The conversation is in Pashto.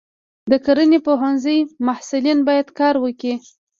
د کرنې پوهنځي محصلین باید کار وکړي.